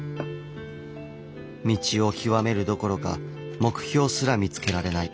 道を究めるどころか目標すら見つけられない。